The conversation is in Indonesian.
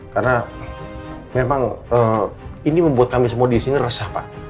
karena memang ini membuat kami semua di sini resah pak